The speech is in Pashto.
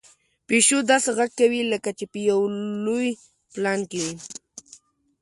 پيشو داسې غږ کوي لکه چې په یو لوی پلان کې وي.